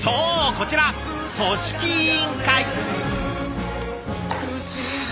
こちら組織委員会。